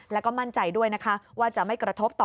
แล้วก็มั่นใจด้วยนะคะว่าจะไม่กระทบต่อ